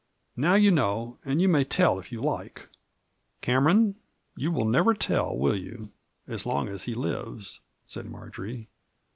Now you know, and you may tell if you like !"" Cameron, you will never tell, will you — as long as he lives ?" said Marjory.